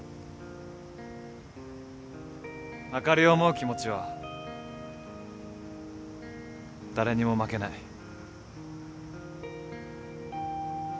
あかりを思う気持ちは誰にも負けない。